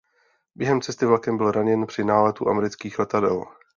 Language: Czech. Během cesty vlakem byl raněn při náletu amerických letadel.